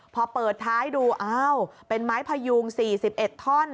พอเปิดท้ายดูอ้าวเป็นไม้พยุง๔๑ท่อน